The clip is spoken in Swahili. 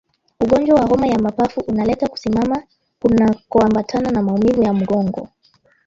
Ugonjwa wa homa ya mapafu unaleta kusimama kunakoambatana na maumivu ya mgongo